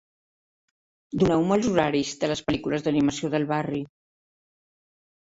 Doneu-me els horaris de les pel·lícules d'animació del barri